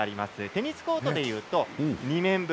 テニスコートでいうと２面分。